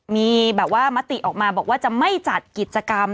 มัตติออกมาบอกว่าจะไม่จัดกิจกรรม